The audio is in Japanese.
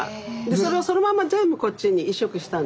それをそのまんま全部こっちに移植したんです。